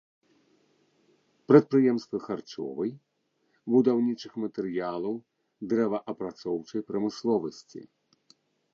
Прадпрыемствы харчовай, будаўнічых матэрыялаў, дрэваапрацоўчай прамысловасці.